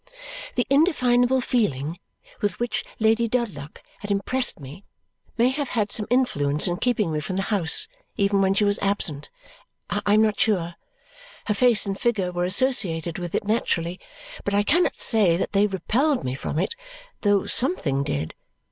The indefinable feeling with which Lady Dedlock had impressed me may have had some influence in keeping me from the house even when she was absent. I am not sure. Her face and figure were associated with it, naturally; but I cannot say that they repelled me from it, though something did.